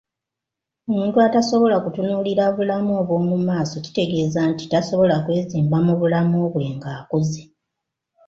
Omuntu atasobola kutunuulira bulamu obw'omu maaso kitegeeza nti tasobola kwezimba mu bulamu bwe ng'akuze.